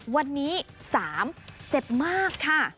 วันนี้๓เจ็บมากค่ะ